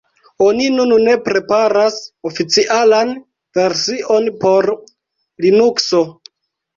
Oni nun ne preparas oficialan version por Linukso.